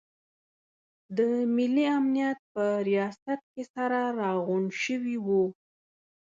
د ملي امنیت په ریاست کې سره راغونډ شوي وو.